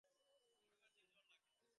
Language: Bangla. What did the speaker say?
বড় গাছেই বড় ঝড় লাগে।